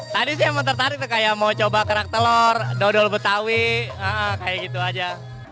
tadi sih emang tertarik tuh kayak mau coba kerak telur dodol betawi kayak gitu aja